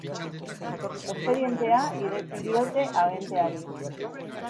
Espedientea ireki diote agenteari.